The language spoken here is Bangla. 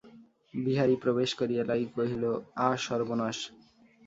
বিহারী প্রবেশ করিয়াই কহিল, আ সর্বনাশ!